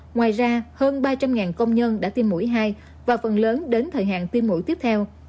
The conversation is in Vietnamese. ngoài ra hơn ba trăm linh công nhân đã tiêm mũi hai và phần lớn đến thời hạn tiêm mũi tiếp theo